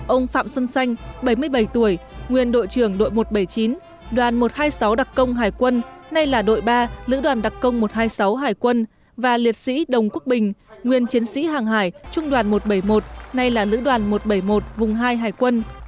ông phạm xuân xanh bảy mươi bảy tuổi nguyên đội trưởng đội một trăm bảy mươi chín đoàn một trăm hai mươi sáu đặc công hải quân nay là đội ba lữ đoàn đặc công một trăm hai mươi sáu hải quân và liệt sĩ đồng quốc bình nguyên chiến sĩ hàng hải trung đoàn một trăm bảy mươi một nay là lữ đoàn một trăm bảy mươi một vùng hai hải quân